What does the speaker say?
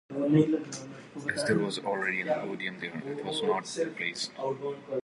As there was already an Odeon there, it was not replaced.